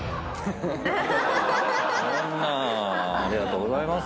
そんなありがとうございます。